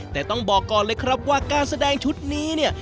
แต่ต้องบอกก่อนเลยครับว่าการแสดงชุดนี้เนี่ย